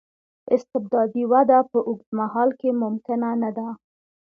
استبدادي وده په اوږد مهال کې ممکنه نه ده.